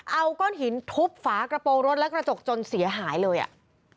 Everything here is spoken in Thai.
เอาก้อนหินทุบฝากระโปรงรถและกระจกจนเสียหายเลยอ่ะ